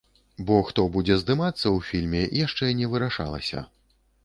Бо хто будзе здымацца ў фільме, яшчэ не вырашалася.